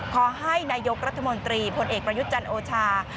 ขอให้นายกรัฐมนตรีพลเอกประยุทธ์จันทร์โอชา